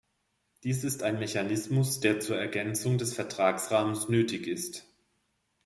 Das ist ein Mechanismus, der zur Ergänzung des Vertragsrahmens nötig ist.